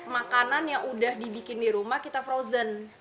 makanan yang udah dibikin di rumah kita frozen